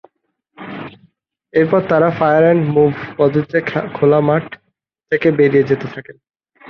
এরপর তারা fire and move পদ্ধতিতে খোলা মাঠ দিয়ে বেরিয়ে যেতে থাকেন।